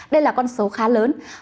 đây là con số khá lớn